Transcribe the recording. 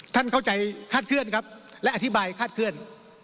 ท่านเข้าใจคาดเคลื่อนครับและอธิบายคาดเคลื่อน